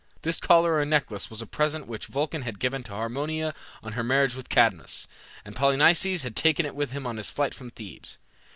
This collar or necklace was a present which Vulcan had given to Harmonia on her marriage with Cadmus, and Polynices had taken it with him on his flight from Thebes.